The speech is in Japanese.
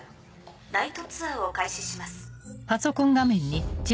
ナイトツアーを開始します。